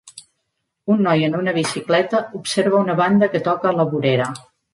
Un noi en una bicicleta observa una banda que toca a la vorera